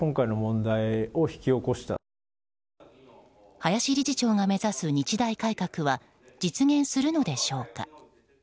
林理事長が目指す日大改革は実現するのでしょうか。